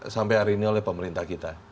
sampai hari ini oleh pemerintah kita